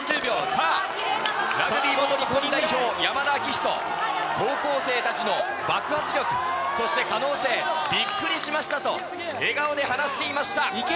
さあ、ラグビー元日本代表、山田章仁、高校生たちの爆発力、そして可能性、びっくりしましたと、笑顔で話していました。